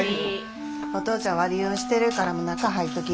お父ちゃん悪酔いしてるから中入っとき。